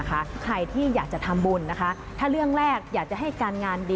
ใครที่อยากจะทำบุญนะคะถ้าเรื่องแรกอยากจะให้การงานดี